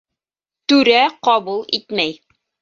ТҮРӘ ҠАБУЛ ИТМӘЙ